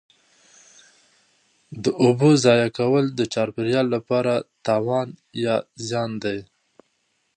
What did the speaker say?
د اوبو ضایع کول د چاپیریال لپاره تاوان دی.